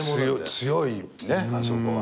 強いねあそこは。